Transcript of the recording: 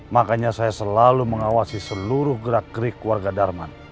makanya saya selalu mengawasi seluruh gerak gerik warga darman